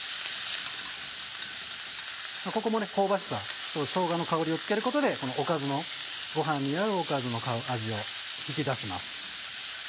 ここも香ばしさをしょうがの香りを付けることでご飯に合うおかずの味を引き出します。